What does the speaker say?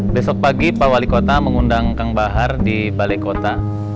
besok pagi pak wali kota mengundang kang bahar di balai kota